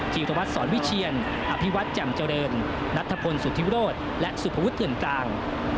ธีรวัตรสอนวิเชียนอภิวัตรแจ่มเจริญนัทพลสุธิโรธและสุภวุฒเถื่อนกลาง